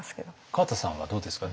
川田さんはどうですか？